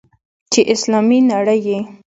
چې اسلامي نړۍ یې.